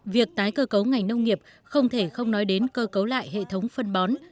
việc tái cơ cấu ngành nông nghiệp không thể không nói đến cơ cấu lại hệ thống phân bó